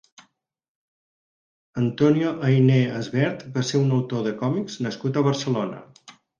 Antonio Ayné Esbert va ser un autor de còmics nascut a Barcelona.